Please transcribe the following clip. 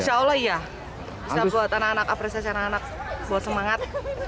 insya allah iya bisa buat anak anak apresiasi anak anak buat semangat